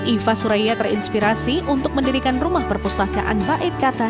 iva surya terinspirasi untuk mendirikan rumah perpustakaan baik kata